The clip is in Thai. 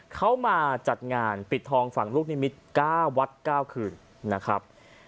เขามาจัดงานปิดทองฝั่งลูกนิมิตร๙วัด๙คืนนะครับ